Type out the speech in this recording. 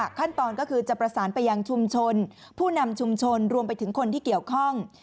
ขั้นตอนก็คือจะประสานไปยังชุมชนผู้นำชุมชนรวมไปถึงคนที่เกี่ยวข้อง